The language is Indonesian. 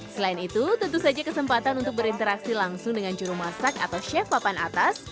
selain itu tentu saja kesempatan untuk berinteraksi langsung dengan juru masak atau chef papan atas